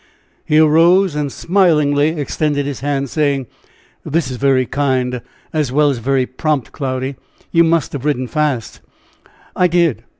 He arose, and smilingly extended his hand, saying: "This is very kind as well as very prompt, Cloudy. You must have ridden fast." "I did.